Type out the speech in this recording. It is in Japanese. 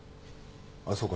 あっそうか。